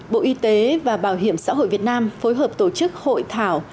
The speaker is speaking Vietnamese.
bộ y tế và bảo hiểm xã hội việt nam phối hợp tổ chức hội thảo